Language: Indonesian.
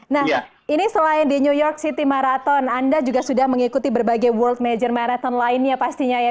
nah ini selain di new york city marathon anda juga sudah mengikuti berbagai world major marathon lainnya pastinya ya